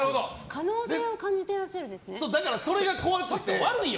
可能性を感じてらっしゃるんですかね。